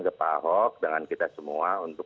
kepada hoax dengan kita semua untuk